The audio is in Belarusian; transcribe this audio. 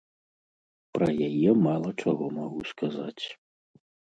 Пра яе мала чаго магу сказаць.